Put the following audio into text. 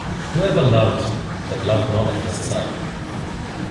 Who ever loved that loved not at first sight?